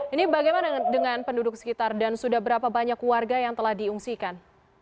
ini bagaimana dengan penduduk sekitar dan sudah berapa banyak warga yang telah diungsikan